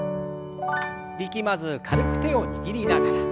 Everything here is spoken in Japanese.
力まず軽く手を握りながら。